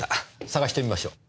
捜してみましょう。